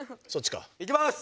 いきます！